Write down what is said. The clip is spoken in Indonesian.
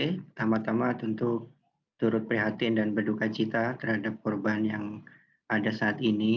pertama tama tentu turut prihatin dan berduka cita terhadap korban yang ada saat ini